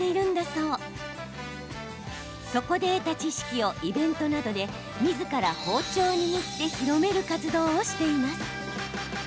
そこで得た知識をイベントなどでみずから包丁を握って広める活動をしています。